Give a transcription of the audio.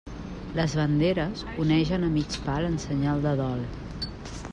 Les banderes onegen a mig pal en senyal de dol.